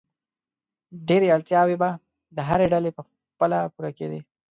ډېری اړتیاوې به د هرې ډلې په خپله پوره کېدې.